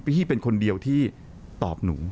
พี่เป็นคนเดียวที่ตอบหนู